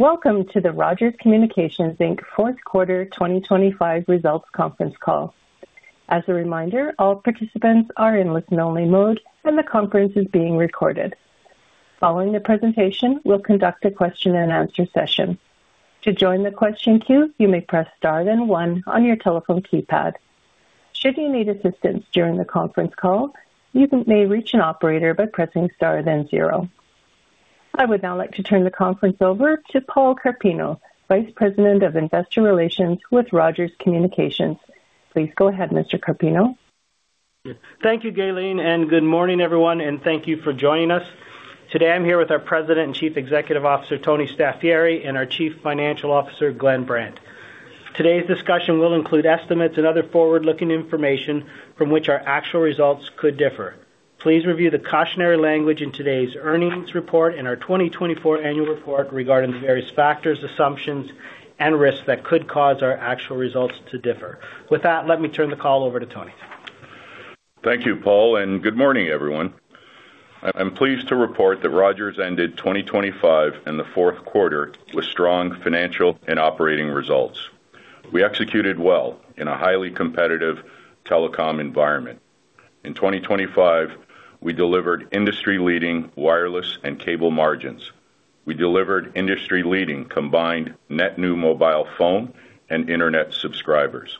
Welcome to the Rogers Communications Inc Q4 2025 Results conference call. As a reminder, all participants are in listen-only mode, and the conference is being recorded. Following the presentation, we'll conduct a question-and-answer session. To join the question queue, you may press star then one on your telephone keypad. Should you need assistance during the conference call, you may reach an operator by pressing star then zero. I would now like to turn the conference over to Paul Carpino, Vice President of Investor Relations with Rogers Communications. Please go ahead, Mr. Carpino. Thank you, Gaylene, and good morning, everyone, and thank you for joining us. Today, I'm here with our President and Chief Executive Officer, Tony Staffieri, and our Chief Financial Officer, Glenn Brandt. Today's discussion will include estimates and other forward-looking information from which our actual results could differ. Please review the cautionary language in today's earnings report and our 2024 annual report regarding the various factors, assumptions, and risks that could cause our actual results to differ. With that, let me turn the call over to Tony. Thank you, Paul, and good morning, everyone. I'm pleased to report that Rogers ended 2025 and the Q4 with strong financial and operating results. We executed well in a highly competitive telecom environment. In 2025, we delivered industry-leading wireless and cable margins. We delivered industry-leading combined net new mobile phone and internet subscribers.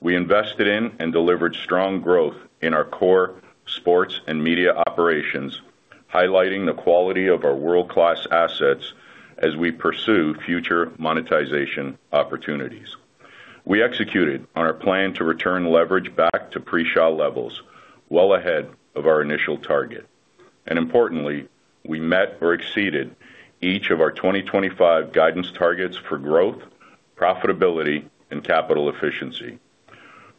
We invested in and delivered strong growth in our core sports and media operations, highlighting the quality of our world-class assets as we pursue future monetization opportunities. We executed on our plan to return leverage back to pre-Shaw levels well ahead of our initial target. And importantly, we met or exceeded each of our 2025 guidance targets for growth, profitability, and capital efficiency.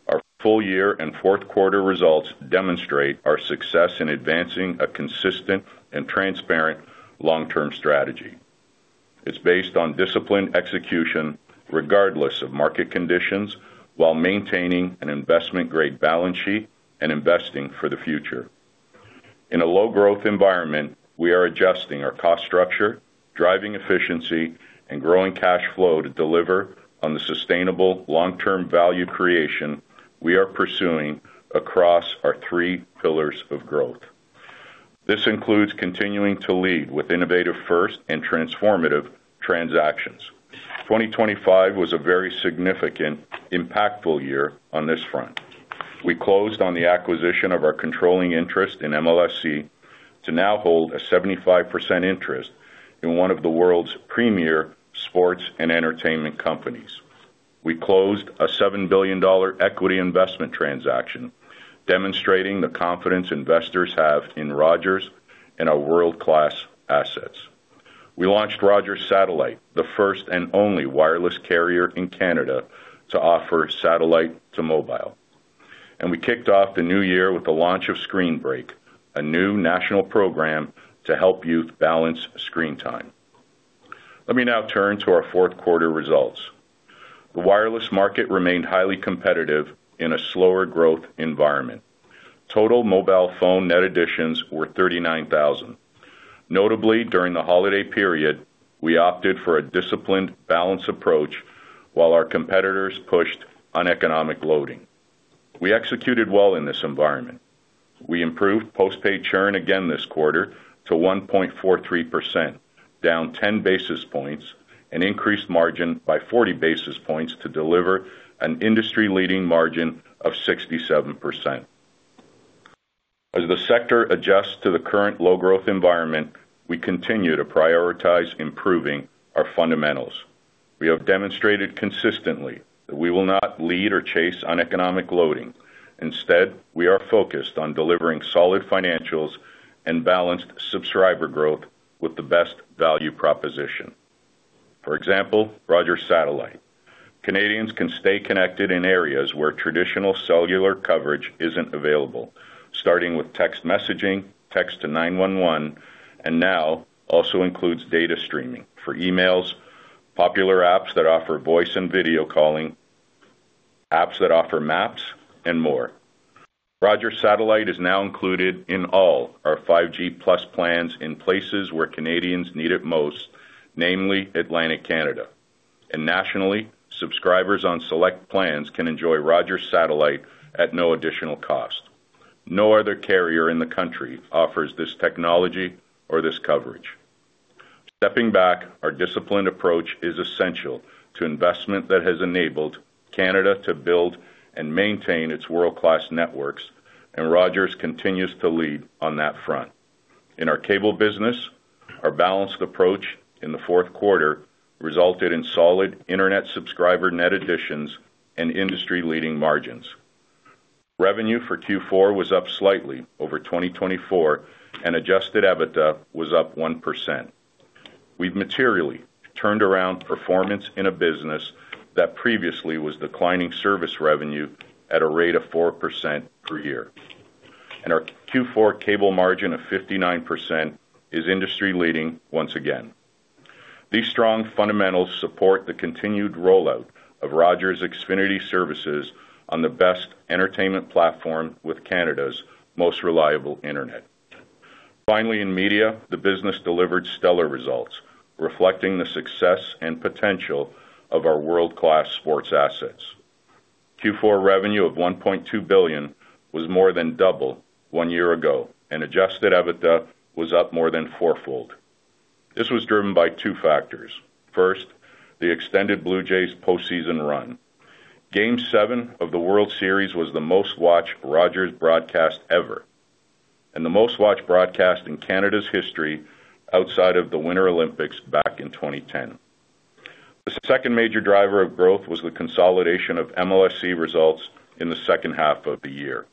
Our full year and Q4 results demonstrate our success in advancing a consistent and transparent long-term strategy. It's based on disciplined execution regardless of market conditions while maintaining an investment-grade balance sheet and investing for the future. In a low-growth environment, we are adjusting our cost structure, driving efficiency, and growing cash flow to deliver on the sustainable long-term value creation we are pursuing across our three pillars of growth. This includes continuing to lead with innovative first and transformative transactions. 2025 was a very significant, impactful year on this front. We closed on the acquisition of our controlling interest in MLSE to now hold a 75% interest in one of the world's premier sports and entertainment companies. We closed a 7 billion dollar equity investment transaction, demonstrating the confidence investors have in Rogers and our world-class assets. We launched Rogers Satellite, the first and only wireless carrier in Canada to offer satellite to mobile. We kicked off the new year with the launch of Screen Break, a new national program to help youth balance screen time. Let me now turn to our Q4 results. The wireless market remained highly competitive in a slower growth environment. Total mobile phone net additions were 39,000. Notably, during the holiday period, we opted for a disciplined balance approach while our competitors pushed uneconomic loading. We executed well in this environment. We improved postpaid churn again this quarter to 1.43%, down 10 basis points, and increased margin by 40 basis points to deliver an industry-leading margin of 67%. As the sector adjusts to the current low-growth environment, we continue to prioritize improving our fundamentals. We have demonstrated consistently that we will not lead or chase uneconomic loading. Instead, we are focused on delivering solid financials and balanced subscriber growth with the best value proposition. For example, Rogers Satellite. Canadians can stay connected in areas where traditional cellular coverage isn't available, starting with text messaging, text to 911, and now also includes data streaming for emails, popular apps that offer voice and video calling, apps that offer maps, and more. Rogers Satellite is now included in all our 5G+ plans in places where Canadians need it most, namely Atlantic Canada. And nationally, subscribers on select plans can enjoy Rogers Satellite at no additional cost. No other carrier in the country offers this technology or this coverage. Stepping back, our disciplined approach is essential to investment that has enabled Canada to build and maintain its world-class networks, and Rogers continues to lead on that front. In our cable business, our balanced approach in the Q4 resulted in solid internet subscriber net additions and industry-leading margins. Revenue for Q4 was up slightly over 2024, and Adjusted EBITDA was up 1%. We've materially turned around performance in a business that previously was declining service revenue at a rate of 4% per year. Our Q4 cable margin of 59% is industry-leading once again. These strong fundamentals support the continued rollout of Rogers Xfinity services on the best entertainment platform with Canada's most reliable internet. Finally, in media, the business delivered stellar results, reflecting the success and potential of our world-class sports assets. Q4 revenue of 1.2 billion was more than double one year ago, and Adjusted EBITDA was up more than fourfold. This was driven by two factors. First, the extended Blue Jays postseason run. Game 7 of the World Series was the most-watched Rogers broadcast ever, and the most-watched broadcast in Canada's history outside of the Winter Olympics back in 2010. The second major driver of growth was the consolidation of MLSE results in the second half of the year.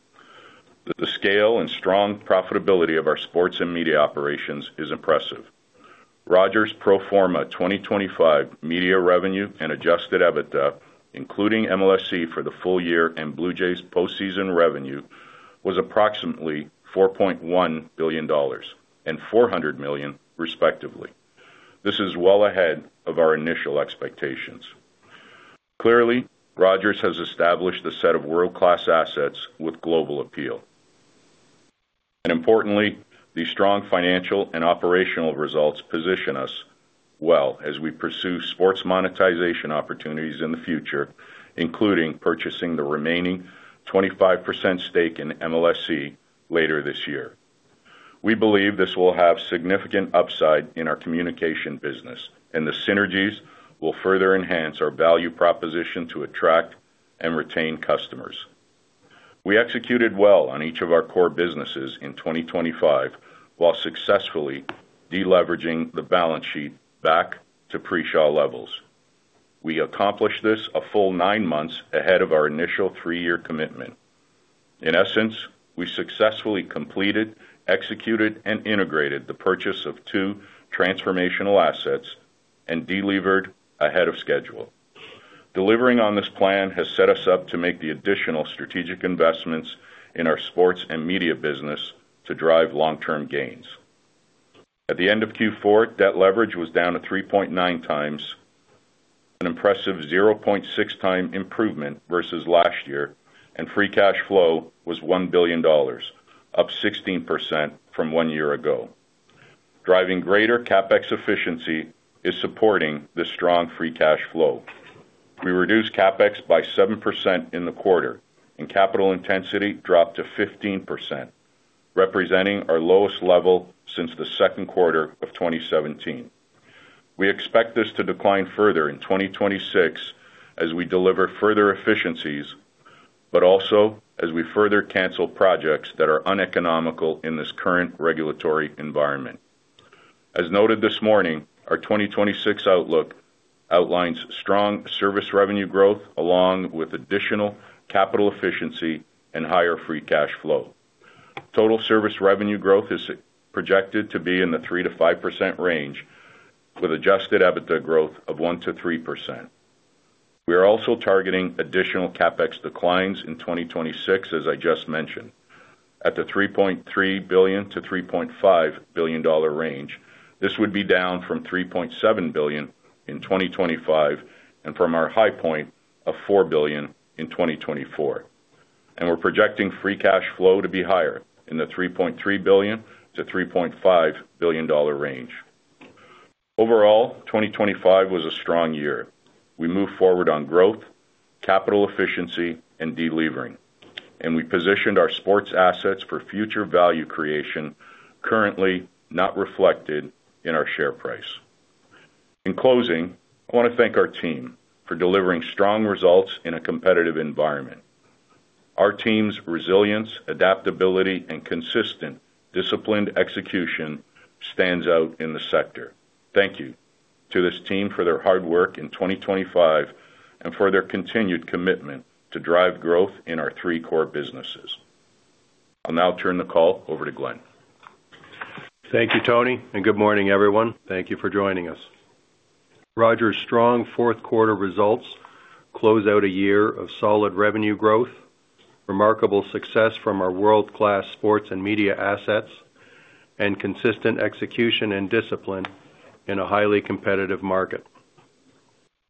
The scale and strong profitability of our sports and media operations is impressive. Rogers pro forma 2025 media revenue and Adjusted EBITDA, including MLSE for the full year and Blue Jays postseason revenue, was approximately 4.1 billion dollars and 400 million, respectively. This is well ahead of our initial expectations. Clearly, Rogers has established a set of world-class assets with global appeal. Importantly, the strong financial and operational results position us well as we pursue sports monetization opportunities in the future, including purchasing the remaining 25% stake in MLSE later this year. We believe this will have significant upside in our communication business, and the synergies will further enhance our value proposition to attract and retain customers. We executed well on each of our core businesses in 2025 while successfully deleveraging the balance sheet back to pre-Shaw levels. We accomplished this a full nine months ahead of our initial three-year commitment. In essence, we successfully completed, executed, and integrated the purchase of two transformational assets and delivered ahead of schedule. Delivering on this plan has set us up to make the additional strategic investments in our sports and media business to drive long-term gains. At the end of Q4, debt leverage was down to 3.9 times, an impressive 0.6 times improvement versus last year, and free cash flow was 1 billion dollars, up 16% from one year ago. Driving greater CapEx efficiency is supporting the strong free cash flow. We reduced CapEx by 7% in the quarter, and capital intensity dropped to 15%, representing our lowest level since the Q2 of 2017. We expect this to decline further in 2026 as we deliver further efficiencies, but also as we further cancel projects that are uneconomical in this current regulatory environment. As noted this morning, our 2026 outlook outlines strong service revenue growth along with additional capital efficiency and higher free cash flow. Total service revenue growth is projected to be in the 3%-5% range, with Adjusted EBITDA growth of 1%-3%. We are also targeting additional CapEx declines in 2026, as I just mentioned, at the 3.3 billion-3.5 billion dollar range. This would be down from 3.7 billion in 2025 and from our high point of 4 billion in 2024. And we're projecting free cash flow to be higher in the 3.3 billion-3.5 billion dollar range. Overall, 2025 was a strong year. We moved forward on growth, capital efficiency, and delivering, and we positioned our sports assets for future value creation currently not reflected in our share price. In closing, I want to thank our team for delivering strong results in a competitive environment. Our team's resilience, adaptability, and consistent, disciplined execution stands out in the sector. Thank you to this team for their hard work in 2025 and for their continued commitment to drive growth in our three core businesses. I'll now turn the call over to Glenn. Thank you, Tony, and good morning, everyone. Thank you for joining us. Rogers' strong Q4 results close out a year of solid revenue growth, remarkable success from our world-class sports and media assets, and consistent execution and discipline in a highly competitive market.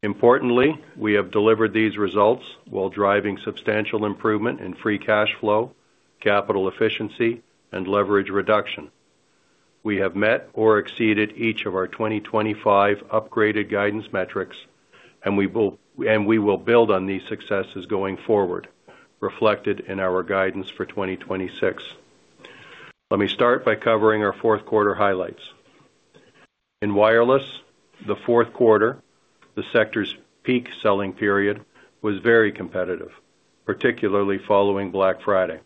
Importantly, we have delivered these results while driving substantial improvement in free cash flow, capital efficiency, and leverage reduction. We have met or exceeded each of our 2025 upgraded guidance metrics, and we will build on these successes going forward, reflected in our guidance for 2026. Let me start by covering our Q4 highlights. In wireless, the Q4, the sector's peak selling period, was very competitive, particularly following Black Friday.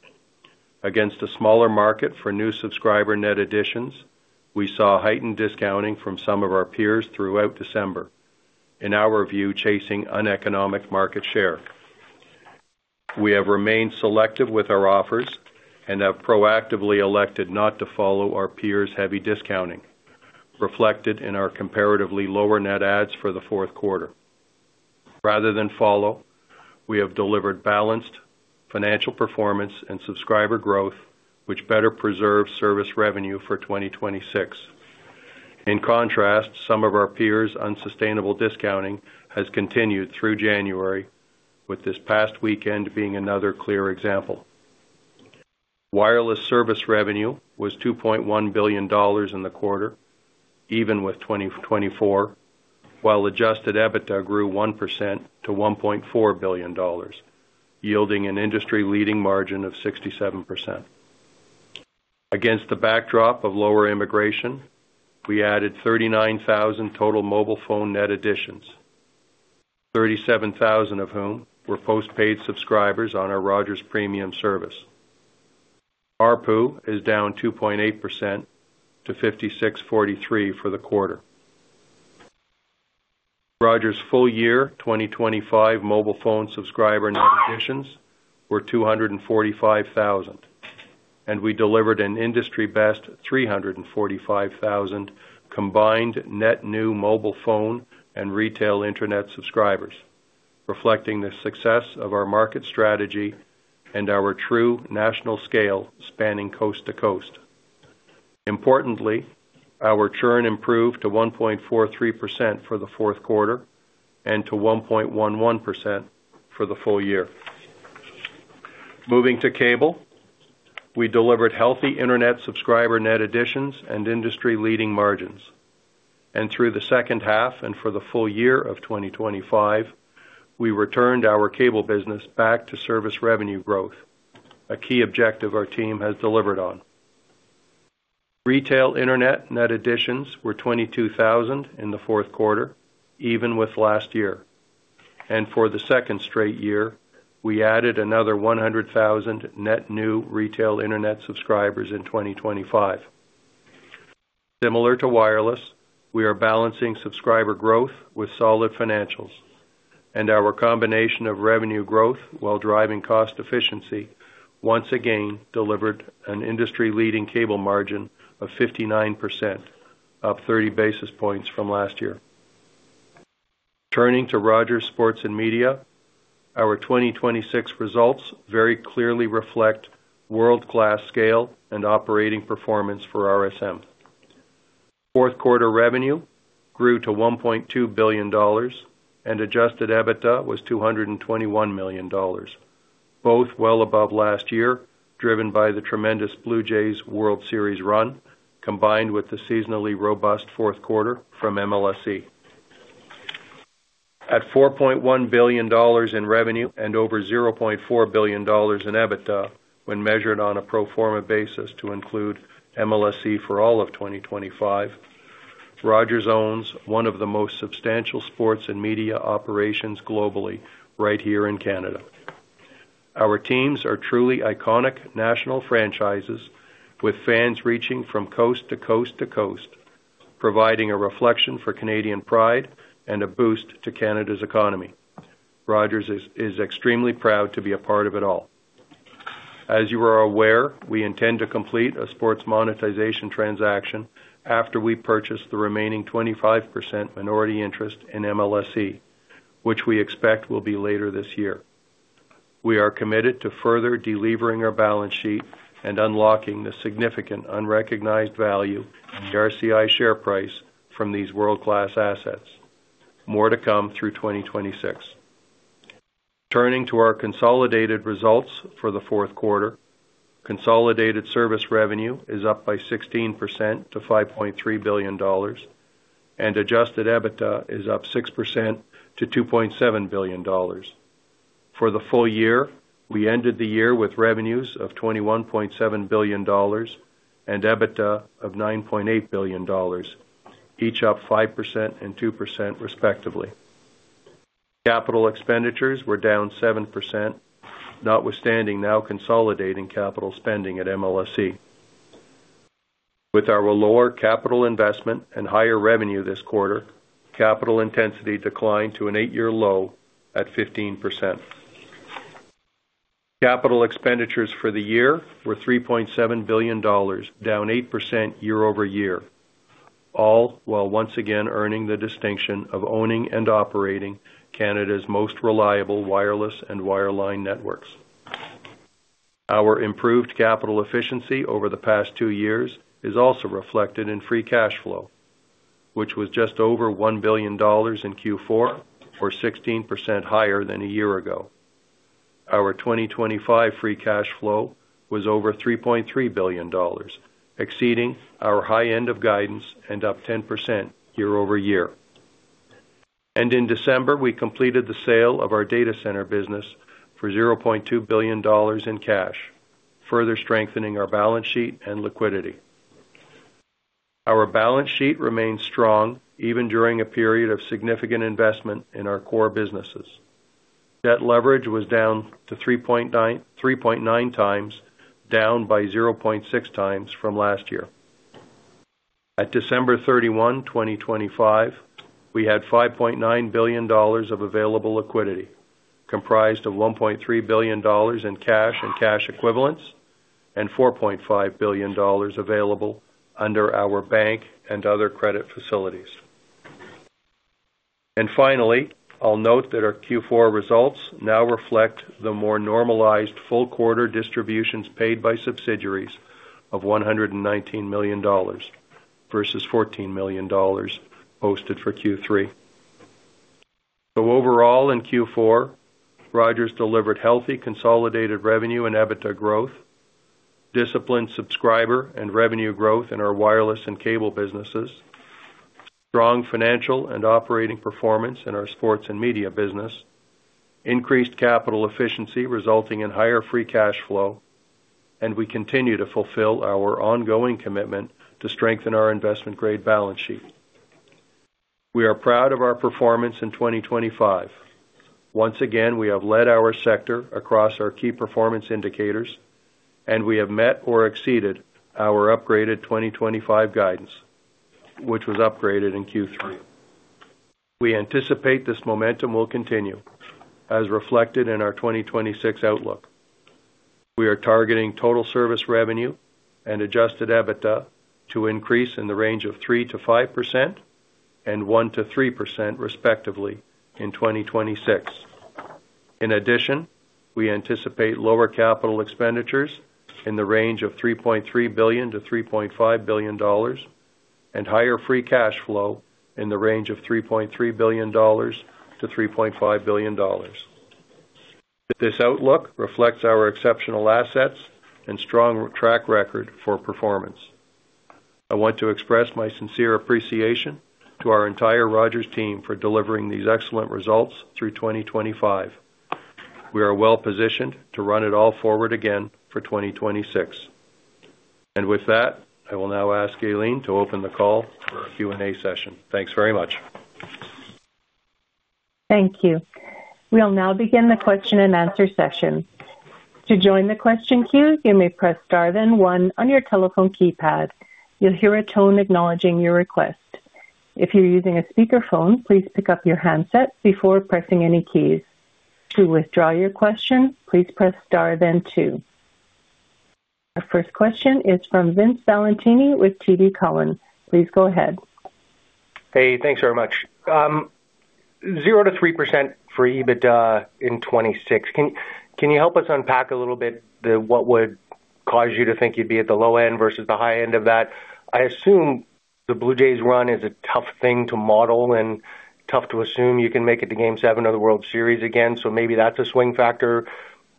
Against a smaller market for new subscriber net additions, we saw heightened discounting from some of our peers throughout December, in our view, chasing uneconomic market share. We have remained selective with our offers and have proactively elected not to follow our peers' heavy discounting, reflected in our comparatively lower net adds for the Q4. Rather than follow, we have delivered balanced financial performance and subscriber growth, which better preserves service revenue for 2026. In contrast, some of our peers' unsustainable discounting has continued through January, with this past weekend being another clear example. Wireless service revenue was 2.1 billion dollars in the quarter, even with 2024, while Adjusted EBITDA grew 1% to 1.4 billion dollars, yielding an industry-leading margin of 67%. Against the backdrop of lower immigration, we added 39,000 total mobile phone net additions, 37,000 of whom were postpaid subscribers on our Rogers premium service. Our ARPU is down 2.8% to 56.43 for the quarter. Rogers' full year 2025 mobile phone subscriber net additions were 245,000, and we delivered an industry-best 345,000 combined net new mobile phone and retail internet subscribers, reflecting the success of our market strategy and our true national scale spanning coast to coast. Importantly, our churn improved to 1.43% for the Q4 and to 1.11% for the full year. Moving to cable, we delivered healthy internet subscriber net additions and industry-leading margins. Through the second half and for the full year of 2025, we returned our cable business back to service revenue growth, a key objective our team has delivered on. Retail internet net additions were 22,000 in the Q4, even with last year. For the second straight year, we added another 100,000 net new retail internet subscribers in 2025. Similar to wireless, we are balancing subscriber growth with solid financials, and our combination of revenue growth while driving cost efficiency once again delivered an industry-leading cable margin of 59%, up 30 basis points from last year. Turning to Rogers Sports & Media, our 2026 results very clearly reflect world-class scale and operating performance for RSM. Q4 revenue grew to 1.2 billion dollars, and Adjusted EBITDA was 221 million dollars, both well above last year, driven by the tremendous Blue Jays World Series run combined with the seasonally robust Q4 from MLSE. At 4.1 billion dollars in revenue and over 0.4 billion dollars in EBITDA when measured on a pro forma basis to include MLSE for all of 2025, Rogers owns one of the most substantial sports and media operations globally right here in Canada. Our teams are truly iconic national franchises, with fans reaching from coast to coast to coast, providing a reflection for Canadian pride and a boost to Canada's economy. Rogers is extremely proud to be a part of it all. As you are aware, we intend to complete a sports monetization transaction after we purchase the remaining 25% minority interest in MLSE, which we expect will be later this year. We are committed to further delivering our balance sheet and unlocking the significant unrecognized value in the RCI share price from these world-class assets. More to come through 2026. Turning to our consolidated results for the Q4, consolidated service revenue is up by 16% to 5.3 billion dollars, and adjusted EBITDA is up 6% to 2.7 billion dollars. For the full year, we ended the year with revenues of 21.7 billion dollars and EBITDA of 9.8 billion dollars, each up 5% and 2% respectively. Capital expenditures were down 7%, notwithstanding now consolidating capital spending at MLSE. With our lower capital investment and higher revenue this quarter, capital intensity declined to an eight-year low at 15%. Capital expenditures for the year were 3.7 billion dollars, down 8% year over year, all while once again earning the distinction of owning and operating Canada's most reliable wireless and wireline networks. Our improved capital efficiency over the past two years is also reflected in free cash flow, which was just over 1 billion dollars in Q4, or 16% higher than a year ago. Our 2025 free cash flow was over 3.3 billion dollars, exceeding our high end of guidance and up 10% year over year. In December, we completed the sale of our data center business for 0.2 billion dollars in cash, further strengthening our balance sheet and liquidity. Our balance sheet remained strong even during a period of significant investment in our core businesses. Debt leverage was down to 3.9 times, down by 0.6 times from last year. At December 31, 2025, we had 5.9 billion dollars of available liquidity, comprised of 1.3 billion dollars in cash and cash equivalents, and 4.5 billion dollars available under our bank and other credit facilities. Finally, I'll note that our Q4 results now reflect the more normalized full quarter distributions paid by subsidiaries of 119 million dollars versus 14 million dollars posted for Q3. Overall in Q4, Rogers delivered healthy consolidated revenue and EBITDA growth, disciplined subscriber and revenue growth in our wireless and cable businesses, strong financial and operating performance in our sports and media business, increased capital efficiency resulting in higher free cash flow, and we continue to fulfill our ongoing commitment to strengthen our investment-grade balance sheet. We are proud of our performance in 2025. Once again, we have led our sector across our key performance indicators, and we have met or exceeded our upgraded 2025 guidance, which was upgraded in Q3. We anticipate this momentum will continue, as reflected in our 2026 outlook. We are targeting total service revenue and Adjusted EBITDA to increase in the range of 3%-5% and 1%-3% respectively in 2026. In addition, we anticipate lower capital expenditures in the range of 3.3 billion-3.5 billion dollars and higher free cash flow in the range of 3.3 billion-3.5 billion dollars. This outlook reflects our exceptional assets and strong track record for performance. I want to express my sincere appreciation to our entire Rogers team for delivering these excellent results through 2025. We are well positioned to run it all forward again for 2026. With that, I will now ask Gaylene to open the call for a Q&A session. Thanks very much. Thank you. We'll now begin the question and answer session. To join the question queue, you may press star then one on your telephone keypad. You'll hear a tone acknowledging your request. If you're using a speakerphone, please pick up your handset before pressing any keys. To withdraw your question, please press star then two. Our first question is from Vince Valentini with TD Cowen. Please go ahead. Hey, thanks very much. 0%-3% for EBITDA in 2026. Can you help us unpack a little bit what would cause you to think you'd be at the low end versus the high end of that? I assume the Blue Jays run is a tough thing to model and tough to assume you can make it to Game 7 of the World Series again, so maybe that's a swing factor.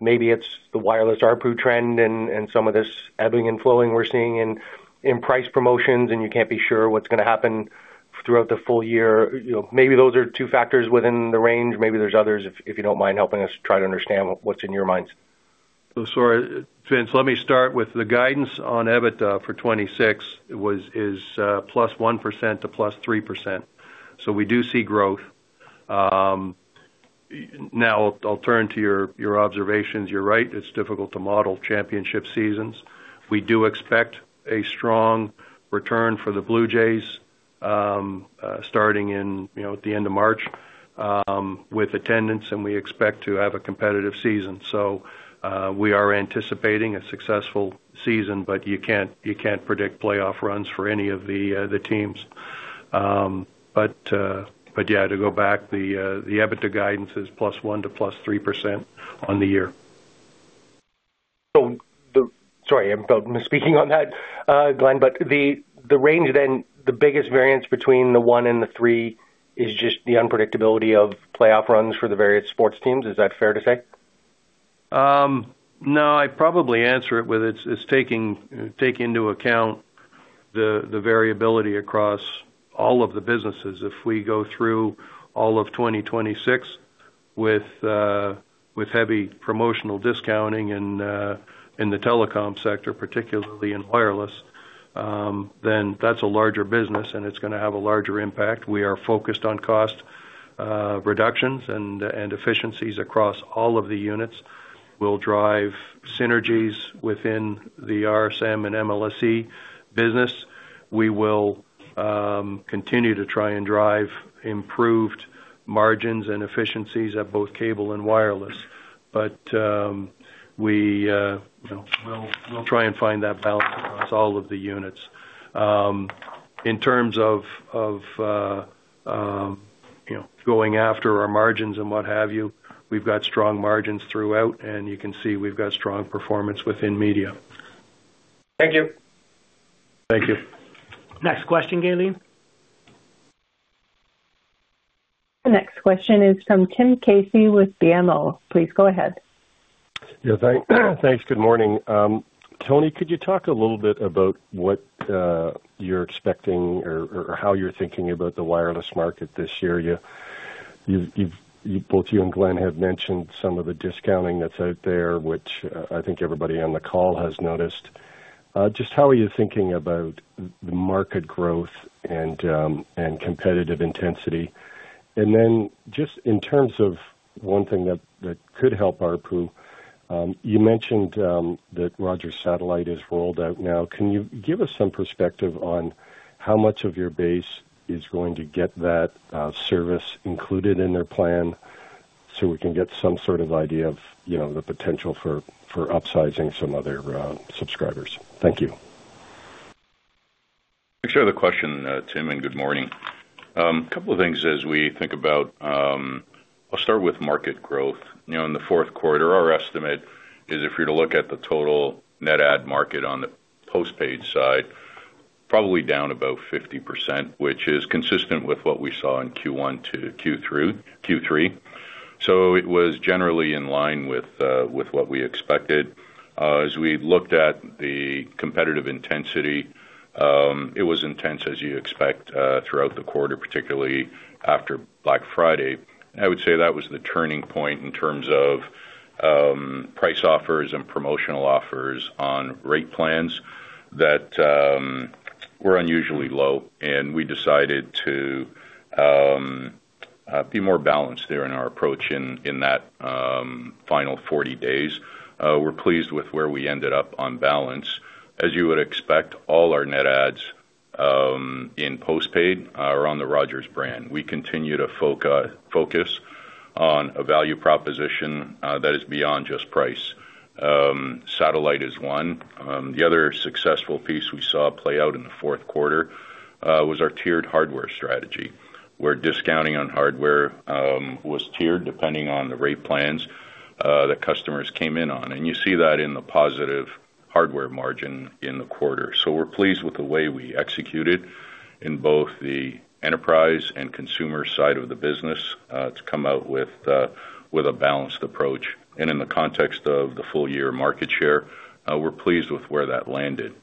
Maybe it's the wireless ARPU trend and some of this ebbing and flowing we're seeing in price promotions, and you can't be sure what's going to happen throughout the full year. Maybe those are two factors within the range. Maybe there's others, if you don't mind helping us try to understand what's in your minds. So Vince, let me start with the guidance on EBITDA for 2026 is +1% to +3%. So we do see growth. Now, I'll turn to your observations. You're right, it's difficult to model championship seasons. We do expect a strong return for the Blue Jays starting at the end of March with attendance, and we expect to have a competitive season. So we are anticipating a successful season, but you can't predict playoff runs for any of the teams. But yeah, to go back, the EBITDA guidance is +1% to +3% on the year. Sorry, I'm speaking on that, Glenn, but the range then, the biggest variance between the 1 and the 3 is just the unpredictability of playoff runs for the various sports teams. Is that fair to say? No, I'd probably answer it with it's taking into account the variability across all of the businesses. If we go through all of 2026 with heavy promotional discounting in the telecom sector, particularly in wireless, then that's a larger business, and it's going to have a larger impact. We are focused on cost reductions and efficiencies across all of the units. We'll drive synergies within the RSM and MLSE business. We will continue to try and drive improved margins and efficiencies at both cable and wireless, but we'll try and find that balance across all of the units. In terms of going after our margins and what have you, we've got strong margins throughout, and you can see we've got strong performance within media. Thank you. Thank you. Next question, Gaylene. The next question is from Tim Casey with BMO. Please go ahead. Yeah, thanks. Good morning. Tony, could you talk a little bit about what you're expecting or how you're thinking about the wireless market this year? Both you and Glenn have mentioned some of the discounting that's out there, which I think everybody on the call has noticed. Just how are you thinking about the market growth and competitive intensity? And then just in terms of one thing that could help ARPU, you mentioned that Rogers Satellite is rolled out now. Can you give us some perspective on how much of your base is going to get that service included in their plan so we can get some sort of idea of the potential for upsizing some other subscribers? Thank you. Thanks for the question, Tim, and good morning. A couple of things as we think about, I'll start with market growth. In the Q4, our estimate is if you're to look at the total net add market on the postpaid side, probably down about 50%, which is consistent with what we saw in Q1 to Q3. So it was generally in line with what we expected. As we looked at the competitive intensity, it was intense, as you expect, throughout the quarter, particularly after Black Friday. I would say that was the turning point in terms of price offers and promotional offers on rate plans that were unusually low, and we decided to be more balanced there in our approach in that final 40 days. We're pleased with where we ended up on balance. As you would expect, all our net adds in postpaid are on the Rogers brand. We continue to focus on a value proposition that is beyond just price. Satellite is one. The other successful piece we saw play out in the Q4 was our tiered hardware strategy, where discounting on hardware was tiered depending on the rate plans that customers came in on. And you see that in the positive hardware margin in the quarter. So we're pleased with the way we executed in both the enterprise and consumer side of the business to come out with a balanced approach. And in the context of the full-year market share, we're pleased with where that landed.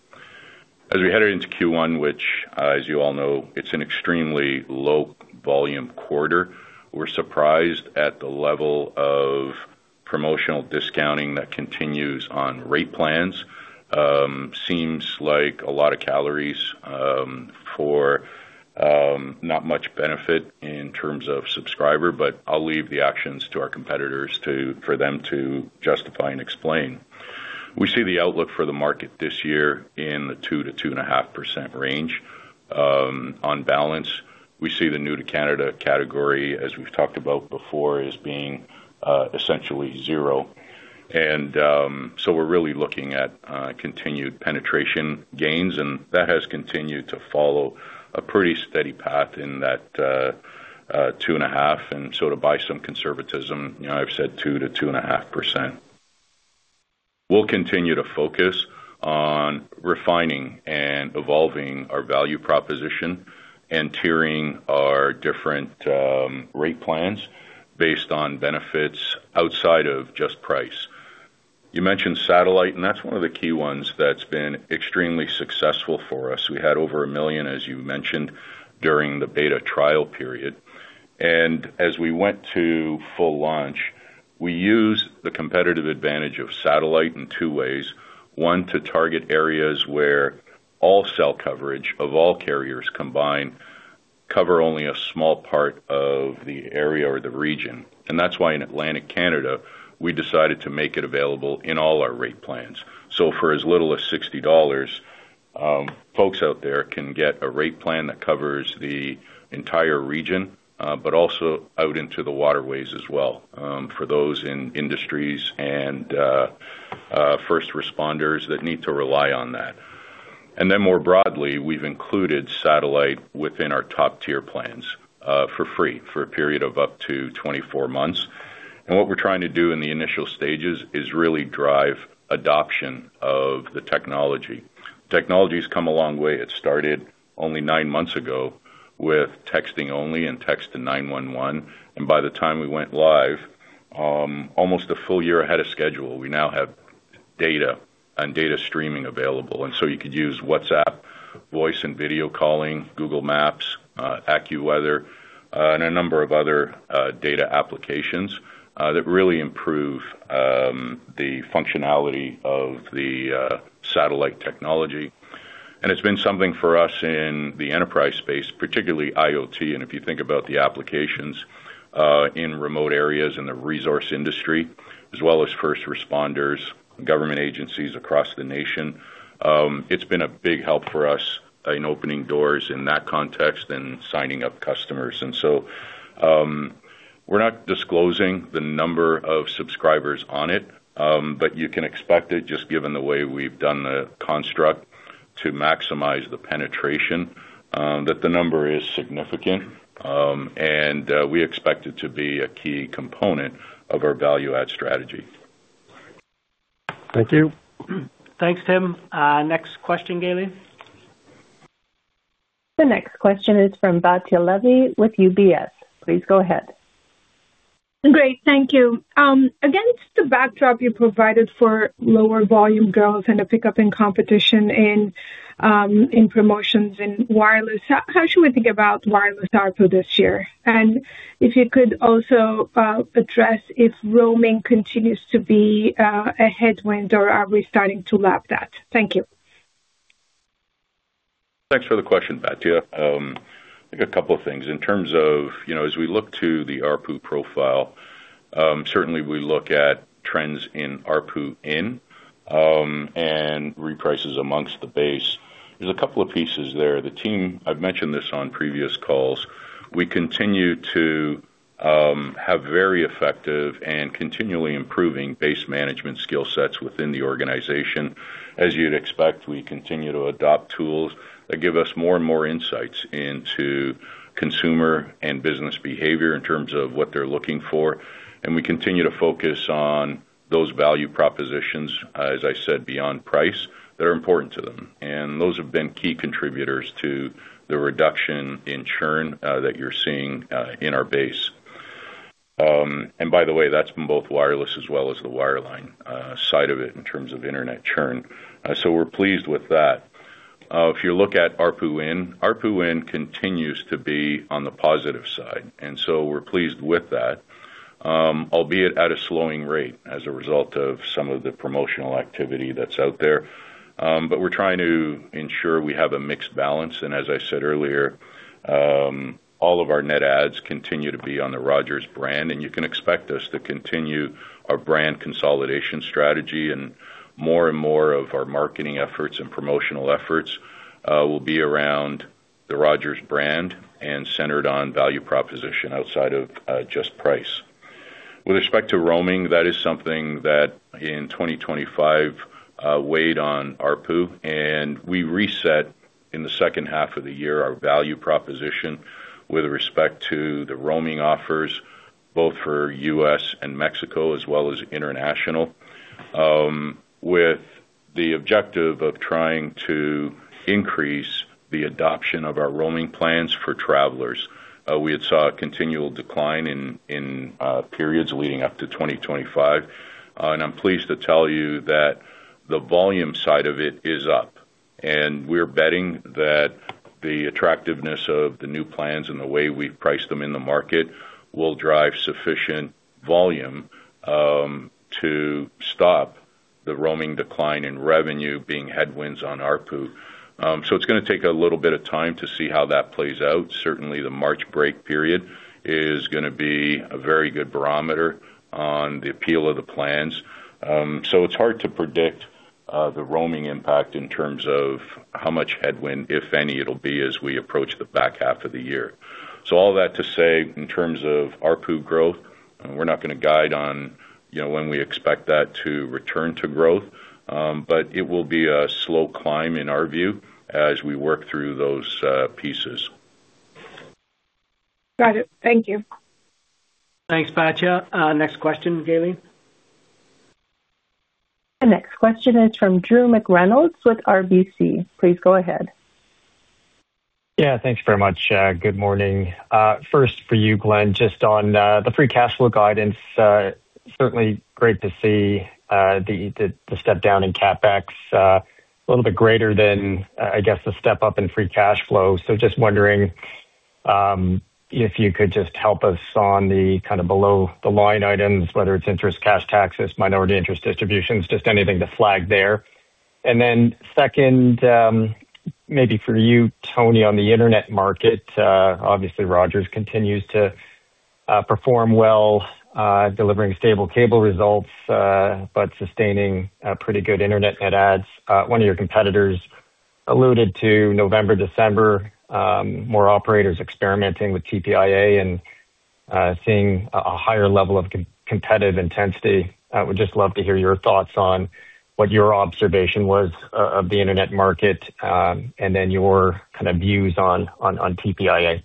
As we headed into Q1, which, as you all know, it's an extremely low-volume quarter, we're surprised at the level of promotional discounting that continues on rate plans. Seems like a lot of calories for not much benefit in terms of subscriber, but I'll leave the actions to our competitors for them to justify and explain. We see the outlook for the market this year in the 2%-2.5% range. On balance, we see the New to Canada category, as we've talked about before, as being essentially zero. And so we're really looking at continued penetration gains, and that has continued to follow a pretty steady path in that 2.5%. And so to buy some conservatism, I've said 2%-2.5%. We'll continue to focus on refining and evolving our value proposition and tiering our different rate plans based on benefits outside of just price. You mentioned satellite, and that's one of the key ones that's been extremely successful for us. We had over 1 million, as you mentioned, during the beta trial period. As we went to full launch, we used the competitive advantage of satellite in two ways. One, to target areas where all cell coverage of all carriers combined cover only a small part of the area or the region. That's why in Atlantic Canada, we decided to make it available in all our rate plans. For as little as 60 dollars, folks out there can get a rate plan that covers the entire region, but also out into the waterways as well for those in industries and first responders that need to rely on that. Then more broadly, we've included satellite within our top-tier plans for free for a period of up to 24 months. What we're trying to do in the initial stages is really drive adoption of the technology. Technology has come a long way. It started only 9 months ago with texting only and text to 911. By the time we went live, almost a full year ahead of schedule, we now have data and data streaming available. You could use WhatsApp, voice and video calling, Google Maps, AccuWeather, and a number of other data applications that really improve the functionality of the satellite technology. It's been something for us in the enterprise space, particularly IoT. If you think about the applications in remote areas in the resource industry, as well as first responders, government agencies across the nation, it's been a big help for us in opening doors in that context and signing up customers. And so we're not disclosing the number of subscribers on it, but you can expect it, just given the way we've done the construct to maximize the penetration, that the number is significant, and we expect it to be a key component of our value-add strategy. Thank you. Thanks, Tim. Next question, Gaylene. The next question is from Batya Levi with UBS. Please go ahead. Great. Thank you. Again, just the backdrop you provided for lower volume growth and a pickup in competition in promotions in wireless, how should we think about wireless ARPU this year? And if you could also address if roaming continues to be a headwind or are we starting to lap that? Thank you. Thanks for the question, Batya. I think a couple of things. In terms of, as we look to the ARPU profile, certainly we look at trends in ARPU N and reprices amongst the base. There's a couple of pieces there. The team, I've mentioned this on previous calls, we continue to have very effective and continually improving base management skill sets within the organization. As you'd expect, we continue to adopt tools that give us more and more insights into consumer and business behavior in terms of what they're looking for. We continue to focus on those value propositions, as I said, beyond price, that are important to them. Those have been key contributors to the reduction in churn that you're seeing in our base. By the way, that's been both wireless as well as the wireline side of it in terms of internet churn. So we're pleased with that. If you look at ARPU N, ARPU N continues to be on the positive side. And so we're pleased with that, albeit at a slowing rate as a result of some of the promotional activity that's out there. But we're trying to ensure we have a mixed balance. And as I said earlier, all of our net adds continue to be on the Rogers brand, and you can expect us to continue our brand consolidation strategy. And more and more of our marketing efforts and promotional efforts will be around the Rogers brand and centered on value proposition outside of just price. With respect to roaming, that is something that in 2025 weighed on ARPU. We reset in the second half of the year our value proposition with respect to the roaming offers both for U.S. and Mexico as well as international, with the objective of trying to increase the adoption of our roaming plans for travelers. We had saw a continual decline in periods leading up to 2025. I'm pleased to tell you that the volume side of it is up. We're betting that the attractiveness of the new plans and the way we've priced them in the market will drive sufficient volume to stop the roaming decline in revenue being headwinds on ARPU. It's going to take a little bit of time to see how that plays out. Certainly, the March break period is going to be a very good barometer on the appeal of the plans. So it's hard to predict the roaming impact in terms of how much headwind, if any, it'll be as we approach the back half of the year. So all that to say, in terms of ARPU growth, we're not going to guide on when we expect that to return to growth, but it will be a slow climb in our view as we work through those pieces. Got it. Thank you. Thanks, Batya. Next question, Gaylene. The next question is from Drew McReynolds with RBC. Please go ahead. Yeah, thanks very much. Good morning. First for you, Glenn, just on the free cash flow guidance, certainly great to see the step down in CapEx, a little bit greater than, I guess, the step up in free cash flow. So just wondering if you could just help us on the kind of below-the-line items, whether it's interest, cash taxes, minority interest distributions, just anything to flag there. And then second, maybe for you, Tony, on the internet market, obviously Rogers continues to perform well, delivering stable cable results, but sustaining pretty good internet net adds. One of your competitors alluded to November, December, more operators experimenting with TPIA and seeing a higher level of competitive intensity. We'd just love to hear your thoughts on what your observation was of the internet market and then your kind of views on TPIA.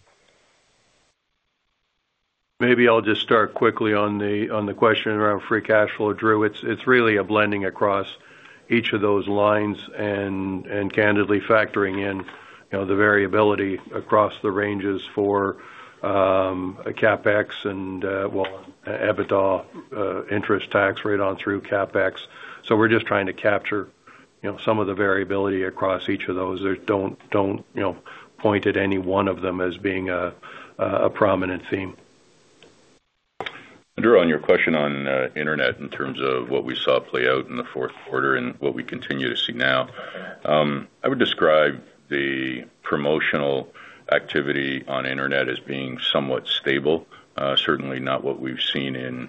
Maybe I'll just start quickly on the question around free cash flow, Drew. It's really a blending across each of those lines and candidly factoring in the variability across the ranges for CapEx and, well, EBITDA interest tax rate on through CapEx. So we're just trying to capture some of the variability across each of those. Don't point at any one of them as being a prominent theme. Drew, on your question on internet in terms of what we saw play out in the Q4 and what we continue to see now, I would describe the promotional activity on internet as being somewhat stable, certainly not what we've seen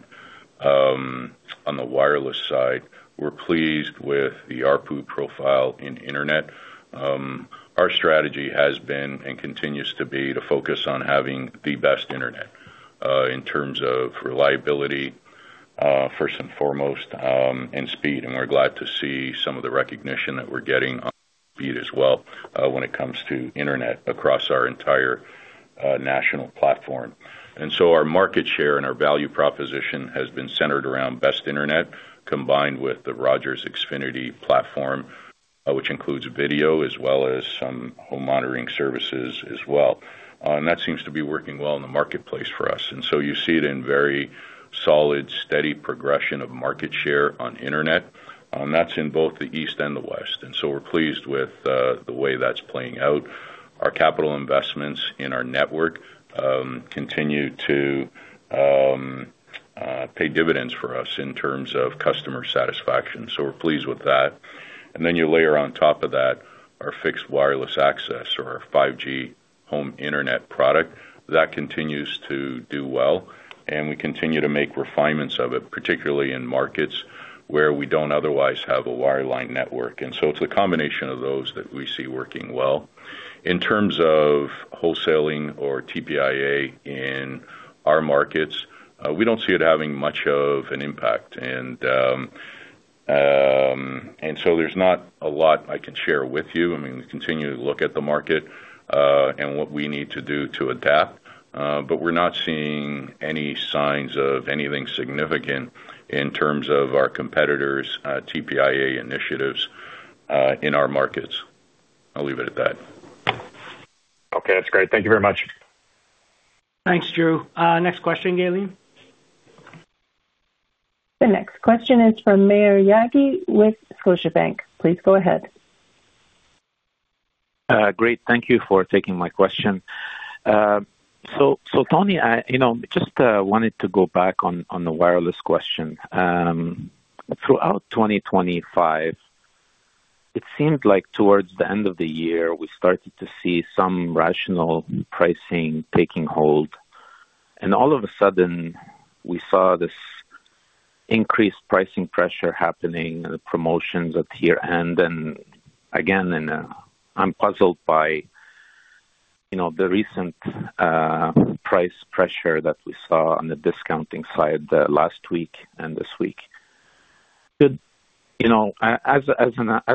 on the wireless side. We're pleased with the ARPU profile in internet. Our strategy has been and continues to be to focus on having the best internet in terms of reliability, first and foremost, and speed. And we're glad to see some of the recognition that we're getting on speed as well when it comes to internet across our entire national platform. And so our market share and our value proposition has been centered around best internet combined with the Rogers Xfinity platform, which includes video as well as some home monitoring services as well. And that seems to be working well in the marketplace for us. You see it in very solid, steady progression of market share on internet. That's in both the east and the west. We're pleased with the way that's playing out. Our capital investments in our network continue to pay dividends for us in terms of customer satisfaction. We're pleased with that. You layer on top of that our fixed wireless access or our 5G home internet product. That continues to do well. We continue to make refinements of it, particularly in markets where we don't otherwise have a wireline network. It's a combination of those that we see working well. In terms of wholesaling or TPIA in our markets, we don't see it having much of an impact. There's not a lot I can share with you. I mean, we continue to look at the market and what we need to do to adapt, but we're not seeing any signs of anything significant in terms of our competitors' TPIA initiatives in our markets. I'll leave it at that. Okay, that's great. Thank you very much. Thanks, Drew. Next question, Gaylene. The next question is from Maher Yaghi with Scotiabank. Please go ahead. Great. Thank you for taking my question. So Tony, I just wanted to go back on the wireless question. Throughout 2025, it seemed like towards the end of the year, we started to see some rational pricing taking hold. And all of a sudden, we saw this increased pricing pressure happening and promotions at year-end. And again, I'm puzzled by the recent price pressure that we saw on the discounting side last week and this week. As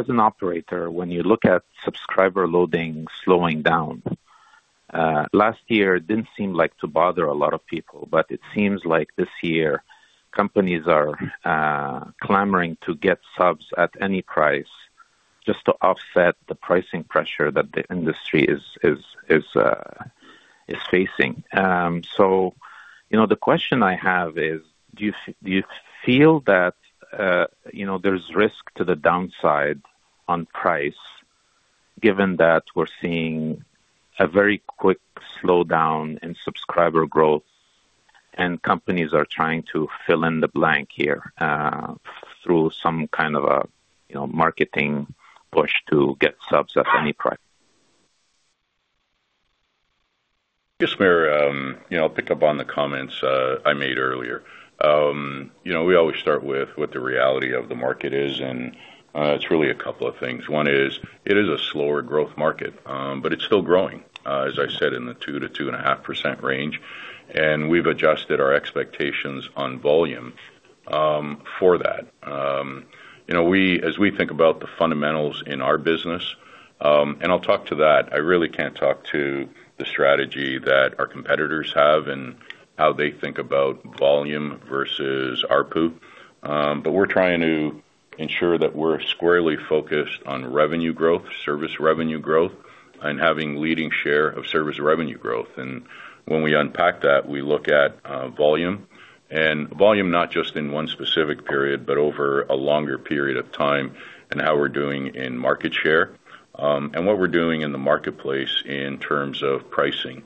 an operator, when you look at subscriber loading slowing down, last year didn't seem like to bother a lot of people, but it seems like this year companies are clamoring to get subs at any price just to offset the pricing pressure that the industry is facing. The question I have is, do you feel that there's risk to the downside on price given that we're seeing a very quick slowdown in subscriber growth and companies are trying to fill in the blank here through some kind of a marketing push to get subs at any price? Just may I'll pick up on the comments I made earlier. We always start with what the reality of the market is, and it's really a couple of things. One is it is a slower growth market, but it's still growing, as I said, in the 2%-2.5% range. We've adjusted our expectations on volume for that. As we think about the fundamentals in our business, and I'll talk to that. I really can't talk to the strategy that our competitors have and how they think about volume versus ARPU. We're trying to ensure that we're squarely focused on revenue growth, service revenue growth, and having leading share of service revenue growth. When we unpack that, we look at volume, and volume not just in one specific period, but over a longer period of time and how we're doing in market share and what we're doing in the marketplace in terms of pricing.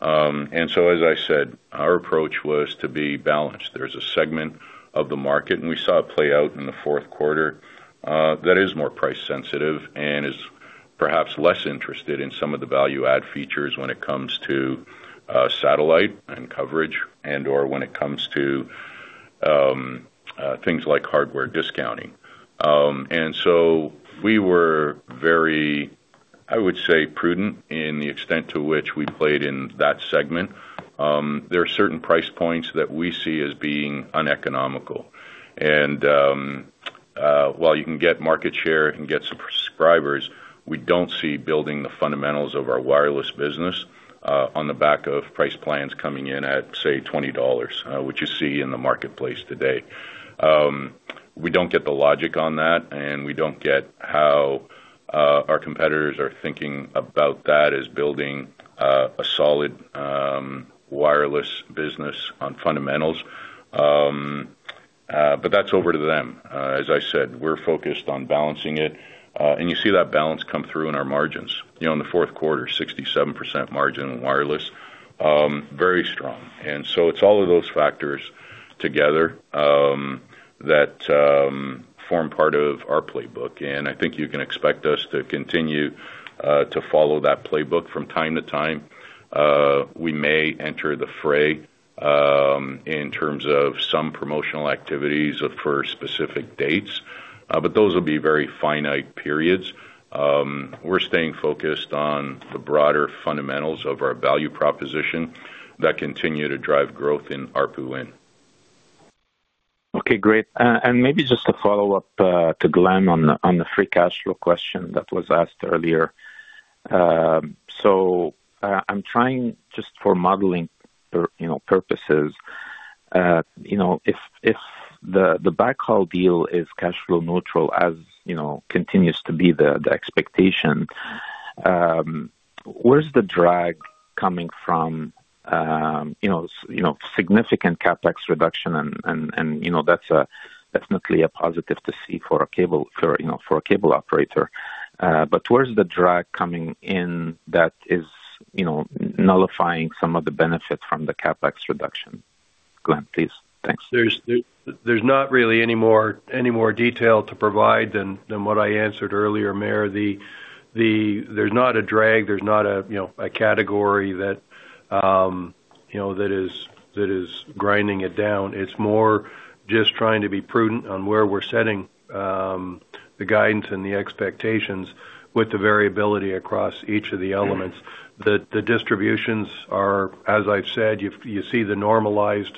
As I said, our approach was to be balanced. There's a segment of the market, and we saw it play out in the Q4 that is more price-sensitive and is perhaps less interested in some of the value-add features when it comes to satellite and coverage and/or when it comes to things like hardware discounting. We were very, I would say, prudent in the extent to which we played in that segment. There are certain price points that we see as being uneconomical. While you can get market share and get subscribers, we don't see building the fundamentals of our wireless business on the back of price plans coming in at, say, 20 dollars, which you see in the marketplace today. We don't get the logic on that, and we don't get how our competitors are thinking about that as building a solid wireless business on fundamentals. But that's over to them. As I said, we're focused on balancing it. You see that balance come through in our margins. In the Q4, 67% margin on wireless, very strong. So it's all of those factors together that form part of our playbook. I think you can expect us to continue to follow that playbook from time to time. We may enter the fray in terms of some promotional activities for specific dates, but those will be very finite periods. We're staying focused on the broader fundamentals of our value proposition that continue to drive growth in ARPU. Okay, great. Maybe just a follow-up to Glenn on the free cash flow question that was asked earlier. I'm trying just for modeling purposes, if the buyout deal is cash flow neutral, as continues to be the expectation, where's the drag coming from? Significant CapEx reduction, and that's definitely a positive to see for a cable operator. Where's the drag coming in that is nullifying some of the benefits from the CapEx reduction? Glenn, please. Thanks. There's not really any more detail to provide than what I answered earlier, Maher. There's not a drag. There's not a category that is grinding it down. It's more just trying to be prudent on where we're setting the guidance and the expectations with the variability across each of the elements. The distributions are, as I've said, you see the normalized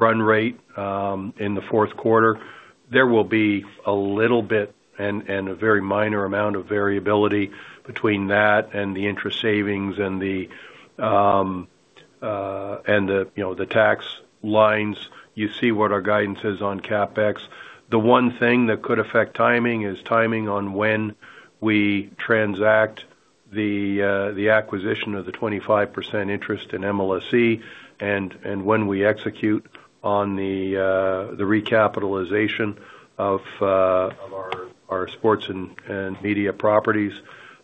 run rate in the Q4. There will be a little bit and a very minor amount of variability between that and the interest savings and the tax lines. You see what our guidance is on CapEx. The one thing that could affect timing is timing on when we transact the acquisition of the 25% interest in MLSE and when we execute on the recapitalization of our sports and media properties.